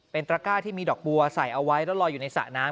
เป็นตระก้าที่มีดอกบัวใส่เอาไว้แล้วลอยอยู่ในสระน้ำ